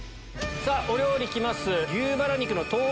さぁお料理来ます。